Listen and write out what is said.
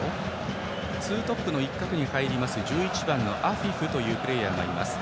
ツートップの一角に入る１１番のアフィフというプレーヤーがいます。